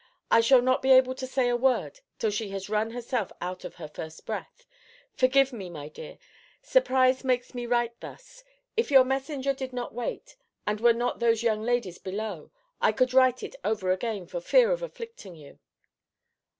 I shall not be able to say a word, till she has run herself out of her first breath. Forgive me, my dear surprise makes me write thus. If your messenger did not wait, and were not those young ladies below, I could write it over again, for fear of afflicting you.